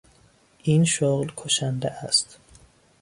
این شغل کشنده است.